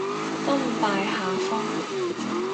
甘拜下風